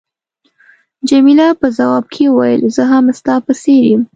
جميله په ځواب کې وویل، زه هم ستا په څېر یم.